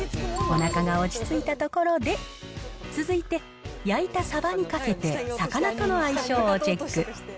おなかが落ち着いたところで、続いて、焼いたサバにかけて、魚との相性をチェック。